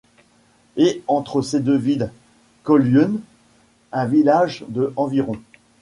Et entre ces deux villes, Tolhuin, un village de environ.